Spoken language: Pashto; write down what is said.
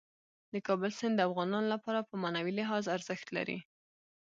د کابل سیند د افغانانو لپاره په معنوي لحاظ ارزښت لري.